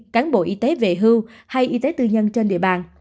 cán bộ y tế về hưu hay y tế tư nhân trên địa bàn